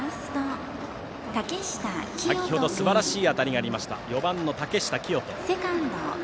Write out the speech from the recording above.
先ほどすばらしい当たりがあったファーストは４番の竹下聖人。